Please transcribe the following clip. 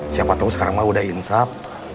siapa tau sekarang mah udah insap